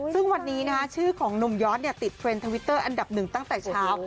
ซึ่งวันนี้ชื่อของหนุ่มยอดติดเทรนด์ทวิตเตอร์อันดับหนึ่งตั้งแต่เช้า